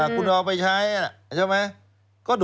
คุณเอาไปใช้ใช่ไหม